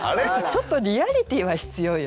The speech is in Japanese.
ちょっとリアリティーは必要よね。